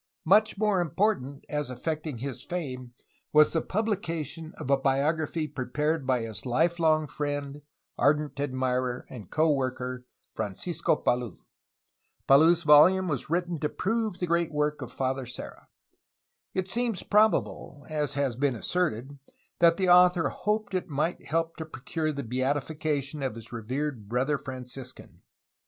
Much more important as affecting his fame was the publication of a biography prepared by his life long friend, ardent admirer, and co worker, Francisco Palou. Palou's volume was written to prove the great work of Father Serra. It seems probable, as has been asserted, that the author hoped it might help to procure the beatification of his revered brother Franciscan.